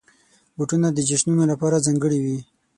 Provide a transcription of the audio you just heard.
بوټونه د جشنونو لپاره ځانګړي وي.